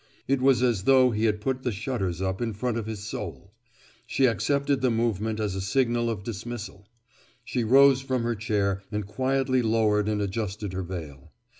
It was as though he had put the shutters up in front of his soul. She accepted the movement as a signal of dismissal. She rose from her chair and quietly lowered and adjusted her veil.